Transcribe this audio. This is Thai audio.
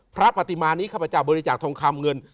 พระปฏิมานิข้าพเจ้าบริจาคทองคำเงิน